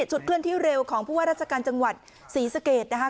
จุดเคลื่อนที่เร็วของพวกราชกรรมจังหวัดศรีสะเกดนะคะ